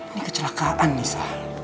ini kecelakaan nisa